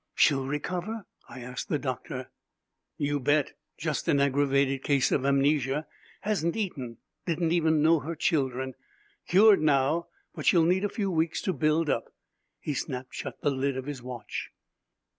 "She'll recover?" I asked the doctor. "You bet. Just an aggravated case of amnesia. Hasn't eaten. Didn't even know her children. Cured now, but she'll need a few weeks to build up." He snapped shut the lid of his watch.